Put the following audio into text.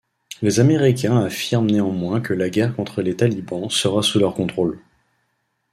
Les Américains affirment néanmoins que la guerre contre les Talibans sera sous leur contrôle.